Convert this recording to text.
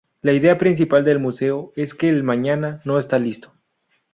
La idea principal del museo es que el mañana no está listo.